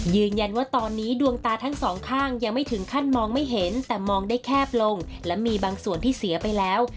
ยืนยันว่าตอนนี้ดวงตาทั้งสองข้างยังไม่ถึงขั้นมองไม่เห็นแต่มองได้แคบลงและมีบางส่วนที่เสียไปแล้ว